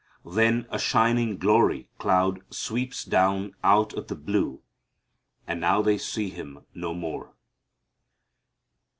Then a shining glory cloud sweeps down out of the blue, and now they see Him no more.